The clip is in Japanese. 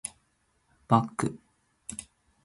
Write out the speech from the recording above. バック